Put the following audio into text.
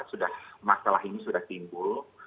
sudah masalah ini sudah timbul